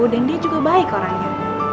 dan dia juga baik orangnya